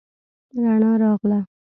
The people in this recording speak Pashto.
رڼا راغله.